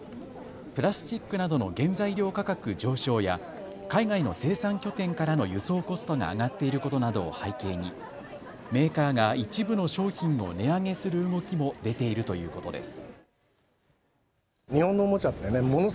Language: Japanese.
プラスチックなどの原材料価格上昇や海外の生産拠点からの輸送コストが上がっていることなどを背景にメーカーが一部の商品を値上げする動きも出ているということです。